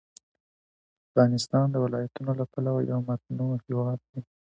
افغانستان د ولایتونو له پلوه یو متنوع هېواد دی.